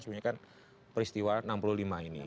sebenarnya kan peristiwa enam puluh lima ini